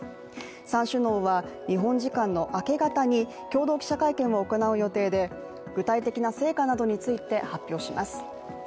３首脳は日本時間の明け方に共同記者会見を行う予定で、具体的な成果などについて発表します。